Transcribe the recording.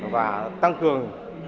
và tăng cường